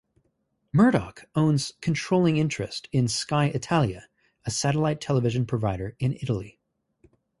Murdoch owns controlling interest in "Sky Italia", a satellite television provider in Italy.